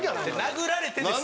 殴られてですよ。